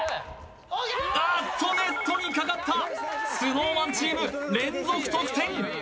あっとネットにかかったＳｎｏｗＭａｎチーム連続得点